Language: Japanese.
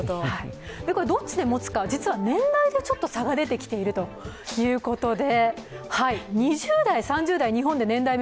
どっちで持つか、実は年代でちょっと差が出てきているということで。